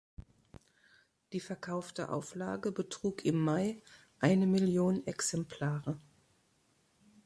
Die verkaufte Auflage betrug im Mai eine Million Exemplare.